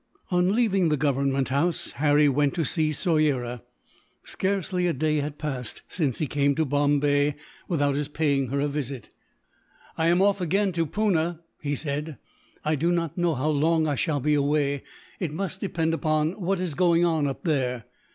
On leaving the Government House, Harry went to see Soyera. Scarcely a day had passed, since he came to Bombay, without his paying her a visit. "I am off again to Poona," he said. "I do not know how long I shall be away. It must depend upon what is going on up there.